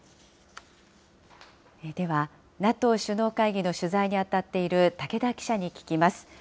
では、ＮＡＴＯ首脳会議の取材に当たっている竹田記者に聞きます。